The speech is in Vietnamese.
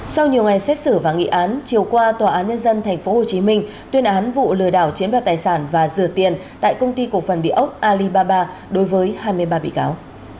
sau nhiều ngày xét xử và nghị án chiều qua tòa án nhân dân tp hcm tuyên án vụ lừa đảo chiếm đoạt tài sản và rửa tiền tại công ty cổ phần địa ốc alibaba đối với hai mươi ba bị cáo